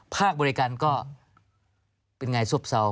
ภาคบริการก็เป็นไงซบเศร้า